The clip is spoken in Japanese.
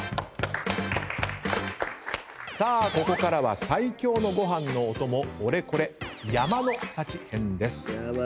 さあここからは最強のご飯のおともオレコレ山の幸編です。